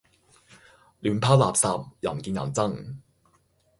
亂拋垃圾，人見人憎